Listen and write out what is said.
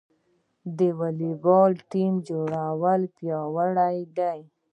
د والیبال ټیم څومره پیاوړی دی؟